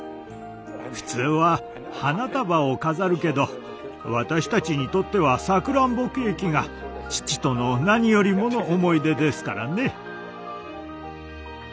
普通は花束を飾るけど私たちにとってはさくらんぼケーキが父との何よりもの思い出ですからね。